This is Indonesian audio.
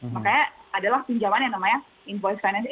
makanya adalah pinjaman yang namanya invoice financing